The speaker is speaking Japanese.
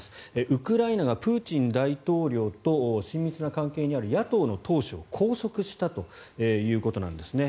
ウクライナがプーチン大統領と親密な関係にある野党の党首を拘束したということなんですね。